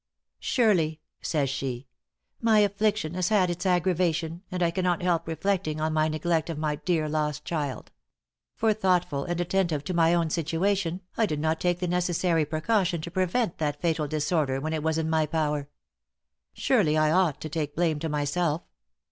"Surely," says she, "my affliction has had its aggravation, and I cannot help reflecting on my neglect of my dear lost child. For thoughtful and attentive to my own situation, I did not take the necessary precaution to prevent that fatal disorder when it was in my power. Surely I ought to take blame to myself.